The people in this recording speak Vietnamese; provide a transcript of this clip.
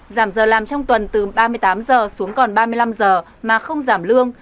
giảm giờ làm trong tuần từ ba mươi tám giờ xuống còn ba mươi năm giờ mà không giảm lương